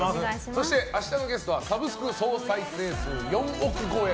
そして明日のゲストはサブスク総再生数４億超え